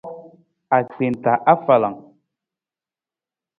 Agbenta afalang.